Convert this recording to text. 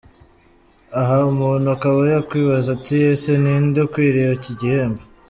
Aha umuntu akaba yakwibaza ati: Ese ni inde ukwiriye iki gihembo?.